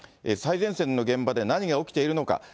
最前線の現場で何が起きているのか。